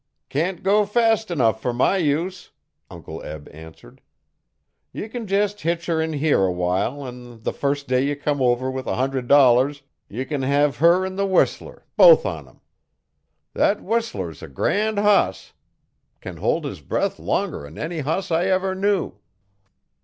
'Can't go fast enough for my use,' Uncle Eb answered. 'Ye can jest hitch her in here awhile an' the first day ye come over with a hundred dollars ye can hev her 'n the whistler, both on 'em. Thet whistler's a grand hoss! Can hold his breath longer'n any hoss I ever knew!'